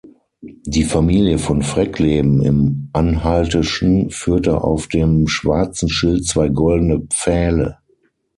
Die Familie von Freckleben im Anhaltischen führte auf dem schwarzen Schild zwei goldene Pfähle.